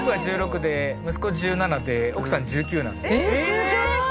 すごい！